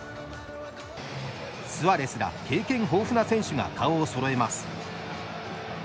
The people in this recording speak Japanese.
スアレスら経験豊富な選手が顔をそろえます。